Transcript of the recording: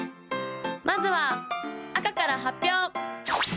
・まずは赤から発表！